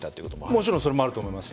もちろんそれもあると思います。